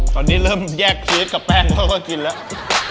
ตอนนี้เริ่มแยกชีสกับแป้งแล้วก็กินแล้ว